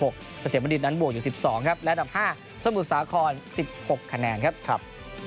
เกษมบัณฑิตนั้นบวกอยู่๑๒ครับและอันดับ๕สมุทรสาคร๑๖คะแนนครับ